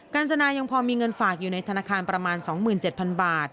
การจนายังพอมีเงินฝากอยู่ในธนาคารประมาณ๒๗๐๐บาท